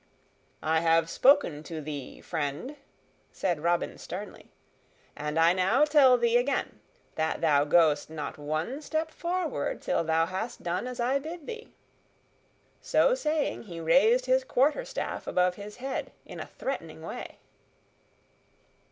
"I have spoken to thee, friend," said Robin sternly, "and I now tell thee again, that thou goest not one step forward till thou hast done as I bid thee." So saying, he raised his quarterstaff above his head in a threatening way.